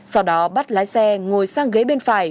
sau đó bắt lái xe ngồi sang ghế bên phải